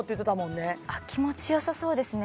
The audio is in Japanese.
気持ちよさそうですね